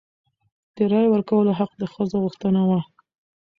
د رایې ورکولو حق د ښځو غوښتنه وه.